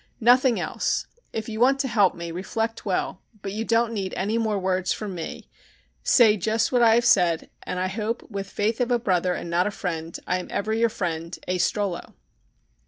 Nothing else, if you want to help me reflect well, but you don't need any more words from me say just what I have said and I hope, with faith of a brother not a friend, I am ever your Friend, A. STROLLO.